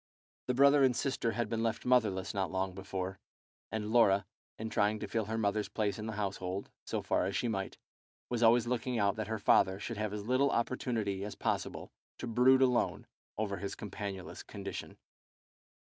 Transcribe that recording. The brother and sister had been left motherless not long before, and Laura, in trying to fill her mother's place in the household, so far as she might, was always looking out that her father should have as little opportunity as possible to brood alone over his companionless condition.